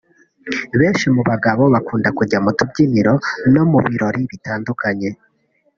Benshi mu bagabo bakunda kujya mu tubyiniro no mu birori bitandukanye